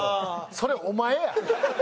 それお前や。